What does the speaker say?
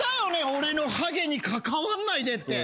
俺のはげに関わんないでって。